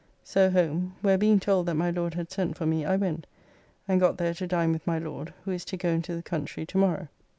So home, where being told that my Lord had sent for me I went, and got there to dine with my Lord, who is to go into the country tomorrow.